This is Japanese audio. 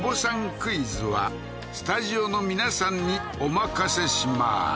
クイズはスタジオの皆さんにお任せしまーす